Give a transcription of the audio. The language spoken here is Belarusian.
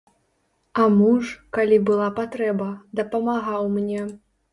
А муж, калі была патрэба, дапамагаў мне.